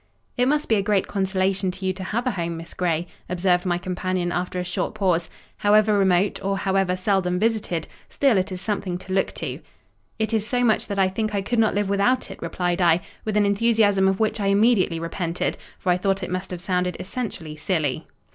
"It must be a great consolation to you to have a home, Miss Grey," observed my companion after a short pause: "however remote, or however seldom visited, still it is something to look to." "It is so much that I think I could not live without it," replied I, with an enthusiasm of which I immediately repented; for I thought it must have sounded essentially silly.